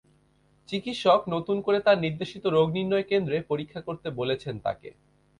চিকিৎসক নতুন করে তাঁর নির্দেশিত রোগনির্ণয় কেন্দ্রে পরীক্ষা করতে বলেছেন তাঁকে।